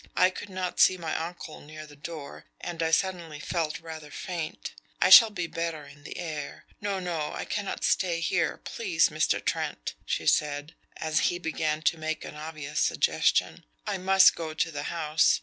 I could not see my uncle near the door, and I suddenly felt rather faint.... I shall be better in the air.... No, no! I cannot stay here please, Mr. Trent!" she said, as he began to make an obvious suggestion. "I must go to the house."